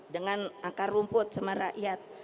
dengan akar rumput sama rakyat